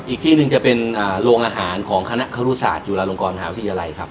อีกที่หนึ่งจะเป็นโรงอาหารของคณะครุศาสตุลาลงกรมหาวิทยาลัยครับ